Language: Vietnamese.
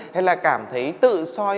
hay là cảm thấy tự soi